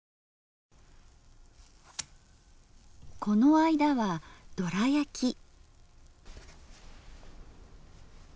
この間は「どらやき」。